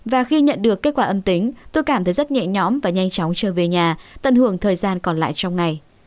và khi nhận được kết quả âm tính tôi cảm thấy rất nhẹ nhõm và nhanh chóng trở về nhà tận hưởng thời gian còn lại trong ngày